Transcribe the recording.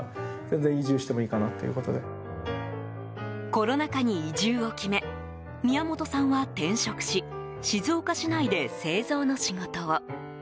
コロナ禍に移住を決め宮本さんは転職し静岡市内で製造の仕事を。